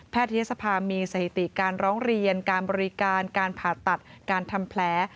ทยศภามีสถิติการร้องเรียนการบริการการผ่าตัดการทำแผล